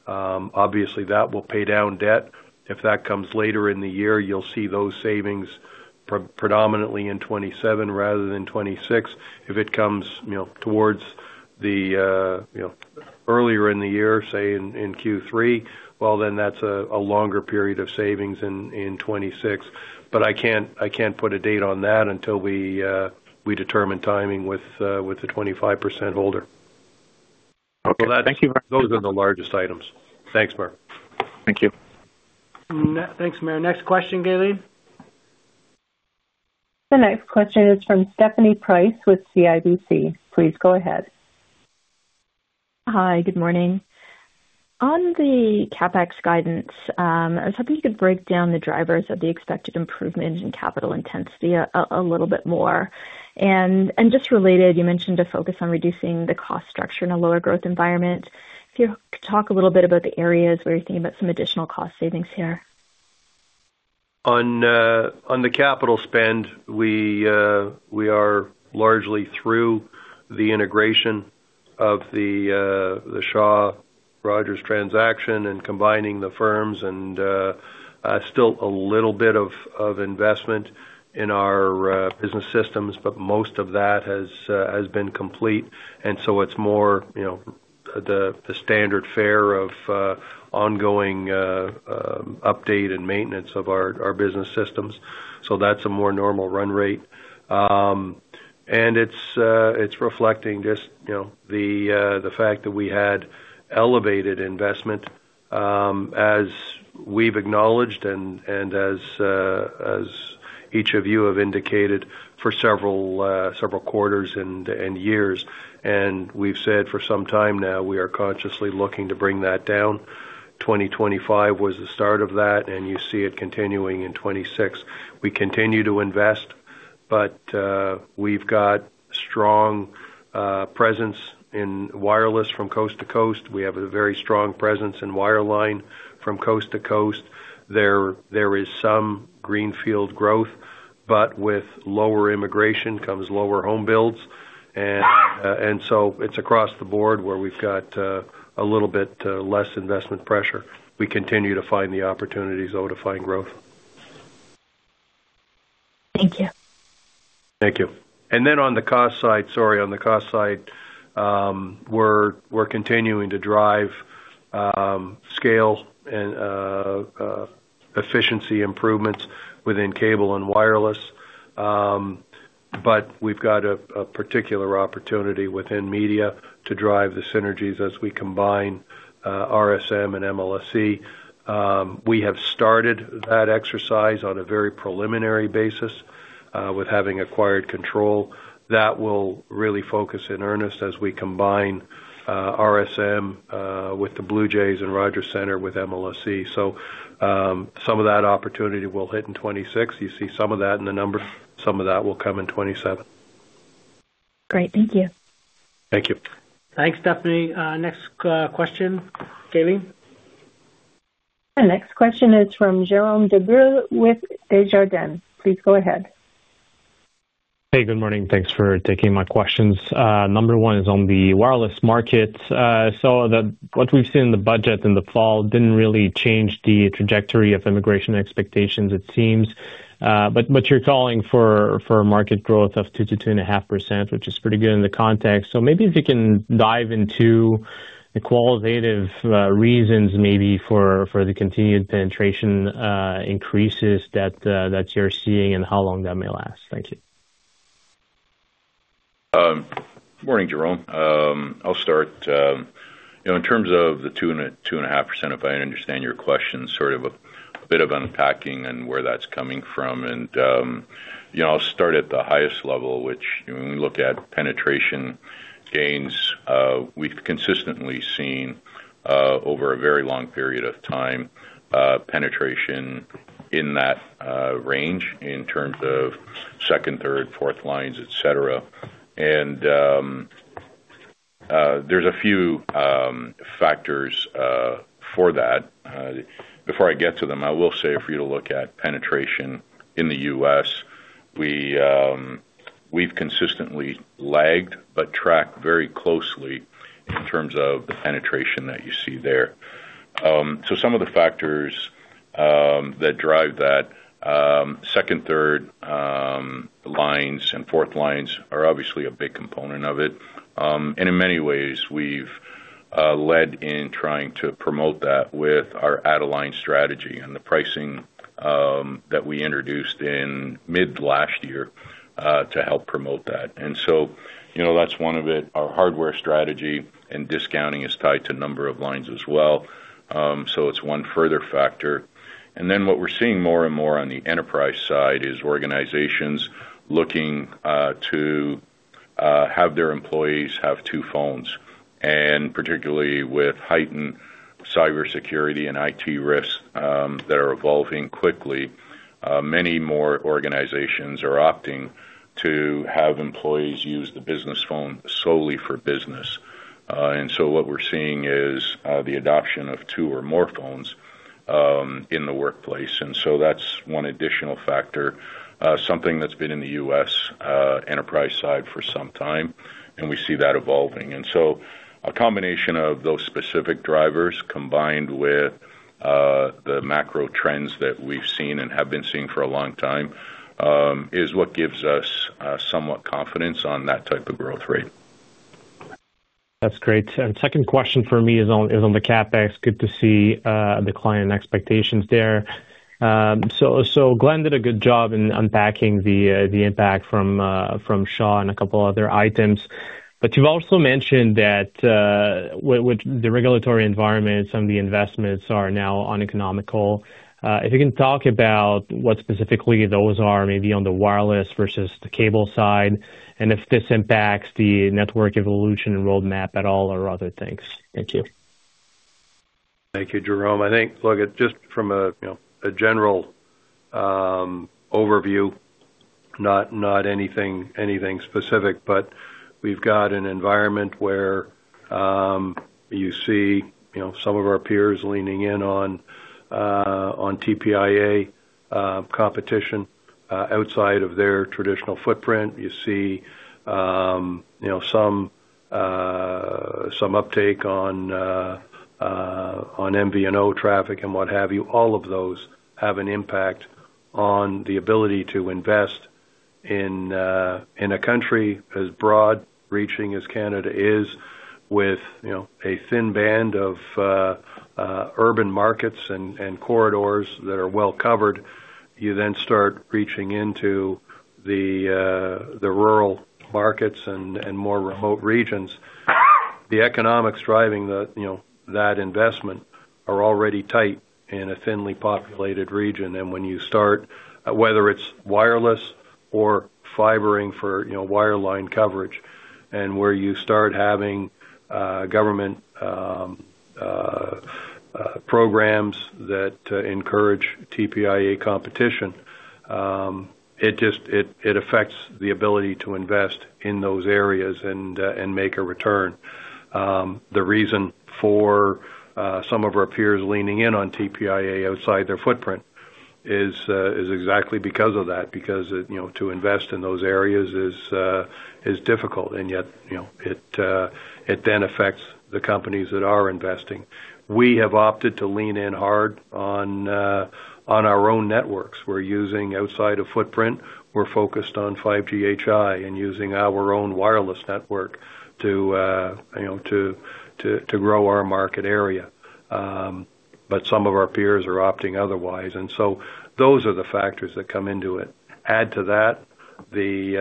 Obviously, that will pay down debt. If that comes later in the year, you'll see those savings predominantly in 2027 rather than 2026. If it comes towards the earlier in the year, say in Q3, well, then that's a longer period of savings in 2026. But I can't put a date on that until we determine timing with the 25% holder. Okay. Thank you, Maher. Those are the largest items. Thanks, Maher. Thank you. Thanks, Maher. Next question, Gaylene. The next question is from Stephanie Price with CIBC. Please go ahead. Hi, good morning. On the CapEx guidance, I was hoping you could break down the drivers of the expected improvement in capital intensity a little bit more. And just related, you mentioned a focus on reducing the cost structure in a lower growth environment. If you could talk a little bit about the areas where you're thinking about some additional cost savings here. On the capital spend, we are largely through the integration of the Shaw-Rogers transaction and combining the firms, and still a little bit of investment in our business systems, but most of that has been complete. So it's more the standard fare of ongoing update and maintenance of our business systems. That's a more normal run rate. It's reflecting just the fact that we had elevated investment as we've acknowledged and as each of you have indicated for several quarters and years. We've said for some time now we are consciously looking to bring that down. 2025 was the start of that, and you see it continuing in 2026. We continue to invest, but we've got strong presence in wireless from coast to coast. We have a very strong presence in wireline from coast to coast. There is some greenfield growth, but with lower immigration comes lower home builds. It's across the board where we've got a little bit less investment pressure. We continue to find the opportunities though to find growth. Thank you. Thank you. And then on the cost side, sorry, on the cost side, we're continuing to drive scale and efficiency improvements within cable and wireless. But we've got a particular opportunity within media to drive the synergies as we combine RSM and MLSE. We have started that exercise on a very preliminary basis with having acquired control. That will really focus in earnest as we combine RSM with the Blue Jays and Rogers Centre with MLSE. So some of that opportunity will hit in 2026. You see some of that in the numbers. Some of that will come in 2027. Great. Thank you. Thank you. Thanks, Stephanie. Next question, Gaylene. The next question is from Jérôme Dubreuil with Desjardins. Please go ahead. Hey, good morning. Thanks for taking my questions. Number one is on the wireless market. So what we've seen in the budget in the fall didn't really change the trajectory of immigration expectations, it seems. But you're calling for market growth of 2%-2.5%, which is pretty good in the context. So maybe if you can dive into the qualitative reasons maybe for the continued penetration increases that you're seeing and how long that may last. Thank you. Morning, Jérôme. I'll start. In terms of the 2.5%, if I understand your question, sort of a bit of unpacking and where that's coming from. I'll start at the highest level, which when we look at penetration gains, we've consistently seen over a very long period of time penetration in that range in terms of second, third, fourth lines, etc. There's a few factors for that. Before I get to them, I will say for you to look at penetration in the U.S., we've consistently lagged but tracked very closely in terms of the penetration that you see there. So some of the factors that drive that second, third lines and fourth lines are obviously a big component of it. In many ways, we've led in trying to promote that with our add-a-line strategy and the pricing that we introduced in mid-last year to help promote that. And so that's one of it. Our hardware strategy and discounting is tied to a number of lines as well. So it's one further factor. And then what we're seeing more and more on the enterprise side is organizations looking to have their employees have two phones. And particularly with heightened cybersecurity and IT risks that are evolving quickly, many more organizations are opting to have employees use the business phone solely for business. And so what we're seeing is the adoption of two or more phones in the workplace. And so that's one additional factor, something that's been in the U.S. enterprise side for some time, and we see that evolving. And so a combination of those specific drivers combined with the macro trends that we've seen and have been seeing for a long time is what gives us somewhat confidence on that type of growth rate. That's great. Second question for me is on the CapEx. Good to see the client expectations there. Glenn did a good job in unpacking the impact from Shaw and a couple of other items. You've also mentioned that with the regulatory environment, some of the investments are now uneconomical. If you can talk about what specifically those are, maybe on the wireless versus the cable side, and if this impacts the network evolution and roadmap at all or other things? Thank you. Thank you, Jérôme. I think, look, just from a general overview, not anything specific, but we've got an environment where you see some of our peers leaning in on TPIA competition outside of their traditional footprint. You see some uptake on MVNO traffic and what have you. All of those have an impact on the ability to invest in a country as broad-reaching as Canada is with a thin band of urban markets and corridors that are well covered. You then start reaching into the rural markets and more remote regions. The economics driving that investment are already tight in a thinly populated region. And when you start, whether it's wireless or fibering for wireline coverage, and where you start having government programs that encourage TPIA competition, it affects the ability to invest in those areas and make a return. The reason for some of our peers leaning in on TPIA outside their footprint is exactly because of that, because to invest in those areas is difficult, and yet it then affects the companies that are investing. We have opted to lean in hard on our own networks. We're using outside of footprint. We're focused on 5GHI and using our own wireless network to grow our market area. But some of our peers are opting otherwise. And so those are the factors that come into it. Add to that the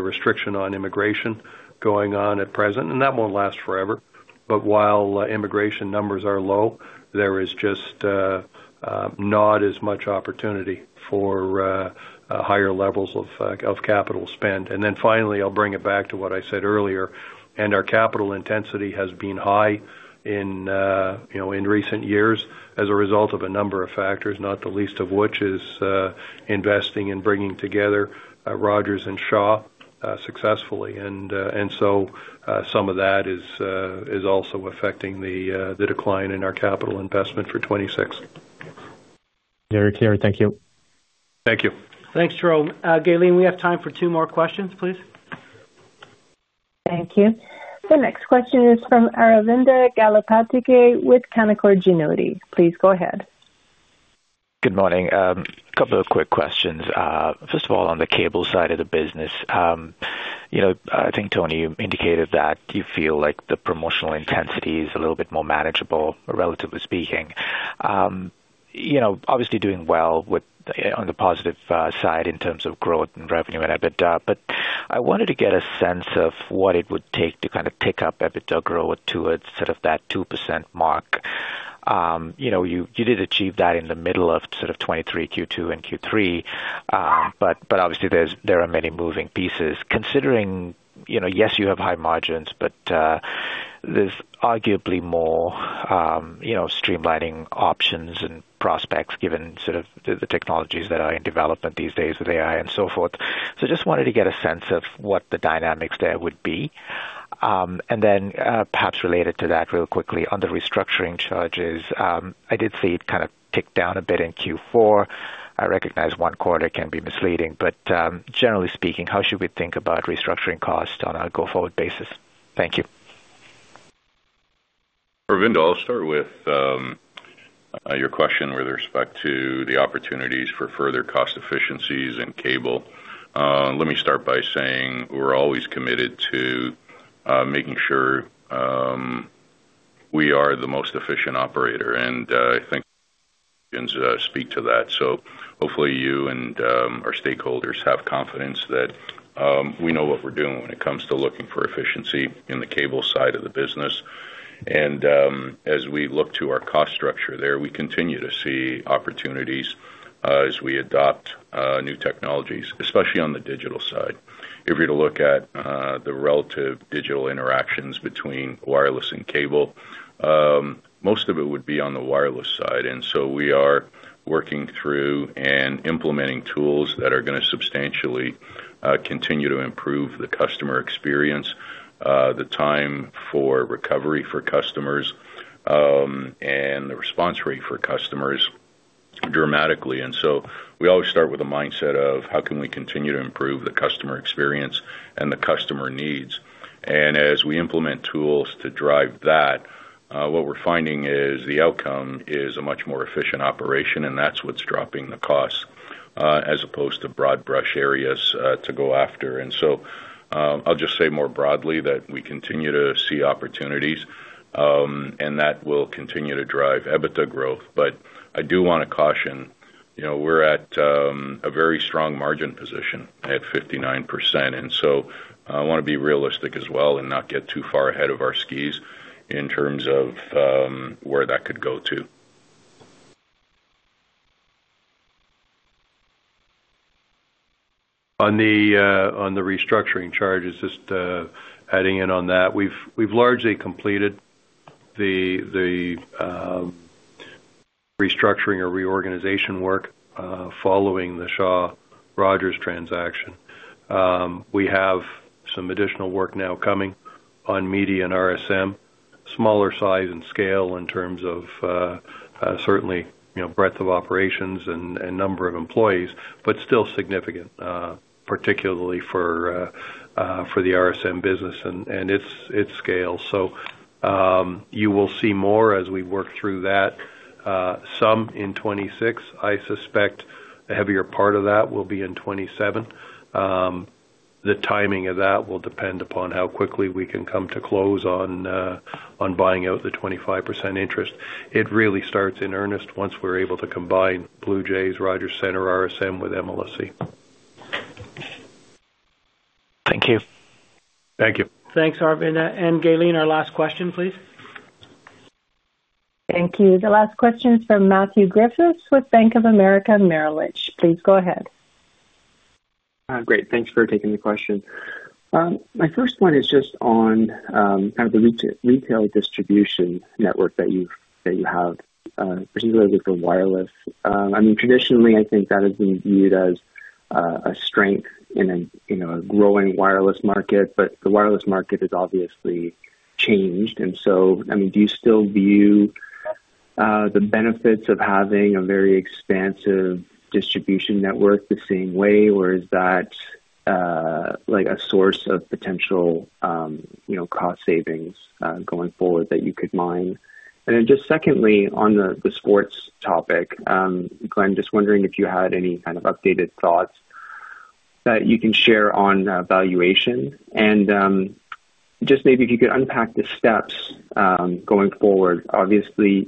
restriction on immigration going on at present, and that won't last forever. But while immigration numbers are low, there is just not as much opportunity for higher levels of capital spend. And then finally, I'll bring it back to what I said earlier. Our capital intensity has been high in recent years as a result of a number of factors, not the least of which is investing and bringing together Rogers and Shaw successfully. So some of that is also affecting the decline in our capital investment for 2026. Very clear. Thank you. Thank you. Thanks, Jérôme. Gaylene, we have time for two more questions, please. Thank you. The next question is from Aravinda Galappatthige with Canaccord Genuity. Please go ahead. Good morning. A couple of quick questions. First of all, on the cable side of the business, I think Tony indicated that you feel like the promotional intensity is a little bit more manageable, relatively speaking. Obviously doing well on the positive side in terms of growth and revenue and EBITDA, but I wanted to get a sense of what it would take to kind of tick up EBITDA growth to sort of that 2% mark. You did achieve that in the middle of sort of 2023, Q2, and Q3, but obviously there are many moving pieces. Considering, yes, you have high margins, but there's arguably more streamlining options and prospects given sort of the technologies that are in development these days with AI and so forth. So just wanted to get a sense of what the dynamics there would be. And then perhaps related to that real quickly, on the restructuring charges, I did see it kind of tick down a bit in Q4. I recognize one quarter can be misleading, but generally speaking, how should we think about restructuring costs on a go-forward basis? Thank you. Aravinda, I'll start with your question with respect to the opportunities for further cost efficiencies in cable. Let me start by saying we're always committed to making sure we are the most efficient operator, and I think speak to that. So hopefully you and our stakeholders have confidence that we know what we're doing when it comes to looking for efficiency in the cable side of the business. And as we look to our cost structure there, we continue to see opportunities as we adopt new technologies, especially on the digital side. If you were to look at the relative digital interactions between wireless and cable, most of it would be on the wireless side. We are working through and implementing tools that are going to substantially continue to improve the customer experience, the time for recovery for customers, and the response rate for customers dramatically. We always start with a mindset of how can we continue to improve the customer experience and the customer needs. As we implement tools to drive that, what we're finding is the outcome is a much more efficient operation, and that's what's dropping the cost as opposed to broad brush areas to go after. I'll just say more broadly that we continue to see opportunities, and that will continue to drive EBITDA growth. But I do want to caution, we're at a very strong margin position at 59%. I want to be realistic as well and not get too far ahead of our skis in terms of where that could go to. On the restructuring charges, just adding in on that, we've largely completed the restructuring or reorganization work following the Shaw-Rogers transaction. We have some additional work now coming on media and RSM, smaller size and scale in terms of certainly breadth of operations and number of employees, but still significant, particularly for the RSM business and its scale. So you will see more as we work through that. Some in 2026. I suspect a heavier part of that will be in 2027. The timing of that will depend upon how quickly we can come to close on buying out the 25% interest. It really starts in earnest once we're able to combine Blue Jays, Rogers Centre, RSM with MLSE. Thank you. Thank you. Thanks, Aravinda. Gaylene, our last question, please. Thank you. The last question is from Matthew Griffiths with Bank of America Merrill Lynch. Please go ahead. Great. Thanks for taking the question. My first one is just on kind of the retail distribution network that you have, particularly for wireless. I mean, traditionally, I think that has been viewed as a strength in a growing wireless market, but the wireless market has obviously changed. And so, I mean, do you still view the benefits of having a very expansive distribution network the same way, or is that like a source of potential cost savings going forward that you could mine? And then just secondly, on the sports topic, Glenn, just wondering if you had any kind of updated thoughts that you can share on valuation. And just maybe if you could unpack the steps going forward. Obviously,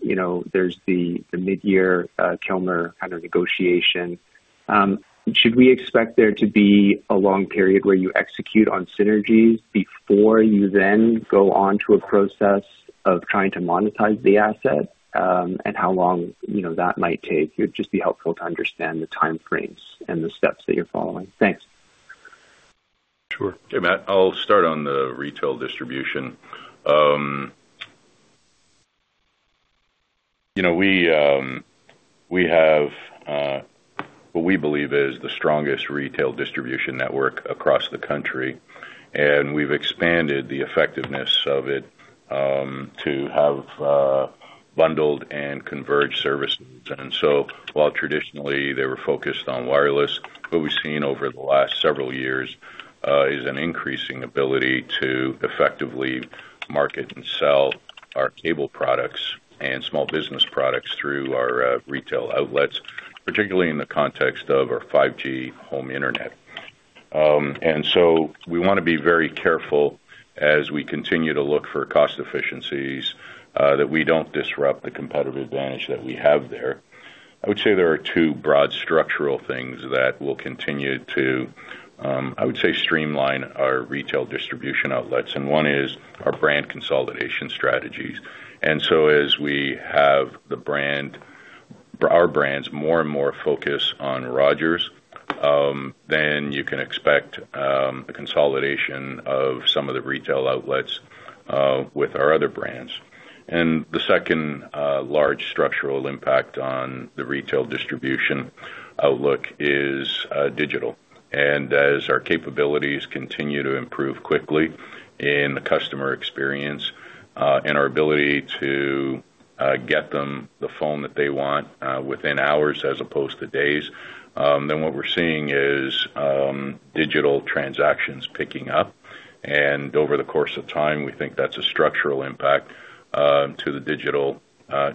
there's the mid-year Kilmer kind of negotiation. Should we expect there to be a long period where you execute on synergies before you then go on to a process of trying to monetize the asset and how long that might take? It would just be helpful to understand the timeframes and the steps that you're following. Thanks. Sure. I'll start on the retail distribution. We have what we believe is the strongest retail distribution network across the country, and we've expanded the effectiveness of it to have bundled and converged services. And so while traditionally they were focused on wireless, what we've seen over the last several years is an increasing ability to effectively market and sell our cable products and small business products through our retail outlets, particularly in the context of our 5G Home Internet. And so we want to be very careful as we continue to look for cost efficiencies that we don't disrupt the competitive advantage that we have there. I would say there are two broad structural things that will continue to, I would say, streamline our retail distribution outlets. And one is our brand consolidation strategies. And so as we have our brands more and more focus on Rogers, then you can expect the consolidation of some of the retail outlets with our other brands. And the second large structural impact on the retail distribution outlook is digital. And as our capabilities continue to improve quickly in the customer experience and our ability to get them the phone that they want within hours as opposed to days, then what we're seeing is digital transactions picking up. And over the course of time, we think that's a structural impact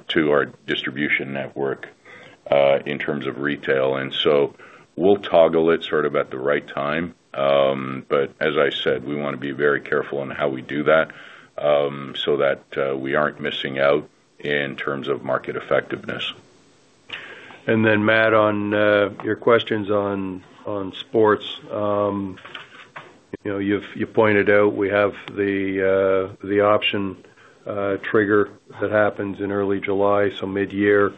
to our distribution network in terms of retail. And so we'll toggle it sort of at the right time. But as I said, we want to be very careful in how we do that so that we aren't missing out in terms of market effectiveness. Then, Matt, on your questions on sports, you pointed out we have the option trigger that happens in early July, so mid-year.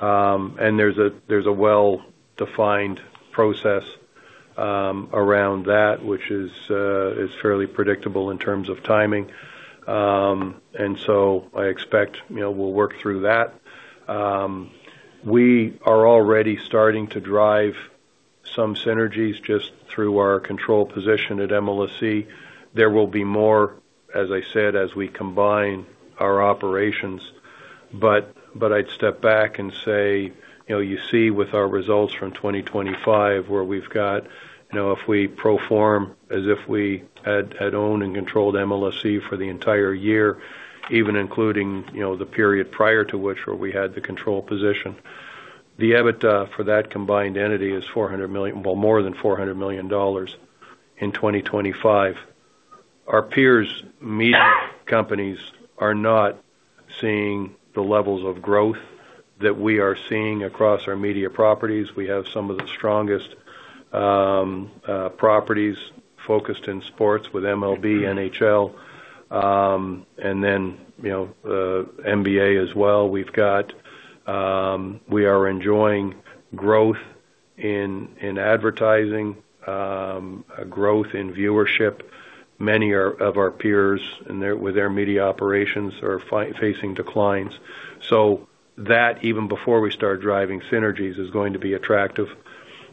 There's a well-defined process around that, which is fairly predictable in terms of timing. I expect we'll work through that. We are already starting to drive some synergies just through our control position at MLSE. There will be more, as I said, as we combine our operations. But I'd step back and say, you see with our results from 2025 where we've got, if we perform as if we had owned and controlled MLSE for the entire year, even including the period prior to which where we had the control position, the EBITDA for that combined entity is more than 400 million dollars in 2025. Our peers' media companies are not seeing the levels of growth that we are seeing across our media properties. We have some of the strongest properties focused in sports with MLB, NHL, and then NBA as well. We are enjoying growth in advertising, growth in viewership. Many of our peers with their media operations are facing declines. So that, even before we start driving synergies, is going to be attractive.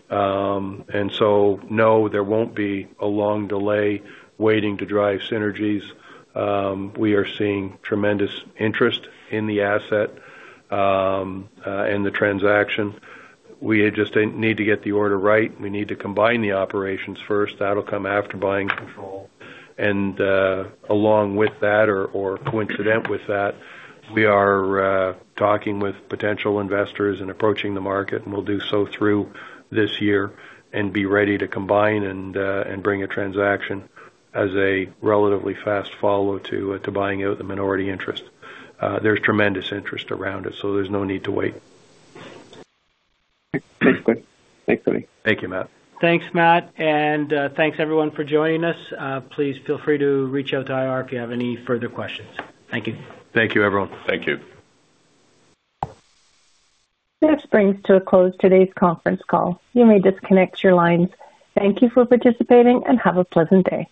And so no, there won't be a long delay waiting to drive synergies. We are seeing tremendous interest in the asset and the transaction. We just need to get the order right. We need to combine the operations first. That'll come after buying control. And along with that, or coincident with that, we are talking with potential investors and approaching the market, and we'll do so through this year and be ready to combine and bring a transaction as a relatively fast follow-through to buying out the minority interest. There's tremendous interest around it, so there's no need to wait. Thanks, Glenn. Thanks, Tony. Thank you, Matt. Thanks, Matt. Thanks, everyone, for joining us. Please feel free to reach out to IR if you have any further questions. Thank you. Thank you, everyone. Thank you. This brings to a close today's conference call. You may disconnect your lines. Thank you for participating and have a pleasant day.